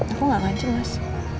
aku gak ngancam mas